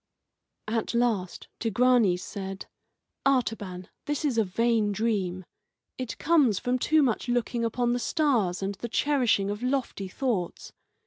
At last Tigranes said: "Artaban, this is a vain dream. It comes from too much looking upon the stars and the cherishing of lofty thoughts.